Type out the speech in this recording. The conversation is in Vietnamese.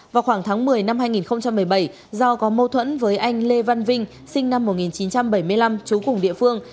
vào khoảng tháng một mươi năm hai nghìn một mươi bảy do có mâu thuẫn với anh lê văn vinh sinh năm một nghìn chín trăm bảy mươi năm trú cùng địa phương